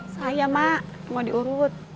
saya mak mau diurut